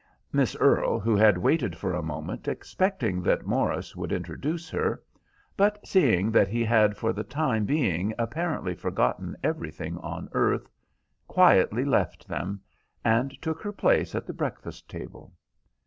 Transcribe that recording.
Miss Earle, who had waited for a moment expecting that Morris would introduce her, but seeing that he had for the time being apparently forgotten everything on earth, quietly left them, and took her place at the breakfast table.